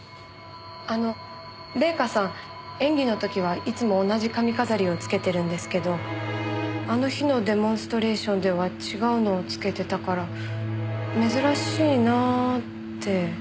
あの礼夏さん演技の時はいつも同じ髪飾りをつけてるんですけどあの日のデモンストレーションでは違うのをつけてたから珍しいなぁって。